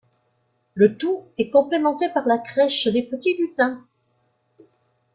Le tout est complémenté par la crèche les petits lutins.